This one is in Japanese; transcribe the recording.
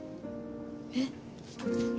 えっ？